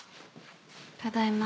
ただいま。